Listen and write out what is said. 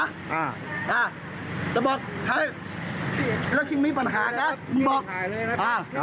อ่ะจะบอกแล้วคิดมีปัญหากัน